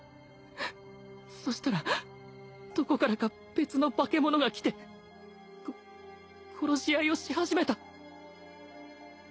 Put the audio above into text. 修靴燭どこからか別の化け物が来て魁殺し合いをし始めた。